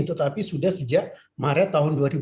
tetapi sudah sejak maret dua ribu dua puluh satu